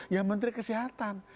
ya menteri kesehatan